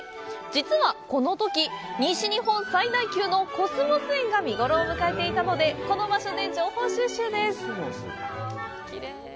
実は、このとき西日本最大級のコスモス園が見ごろを迎えていたのでこの場所で情報収集です！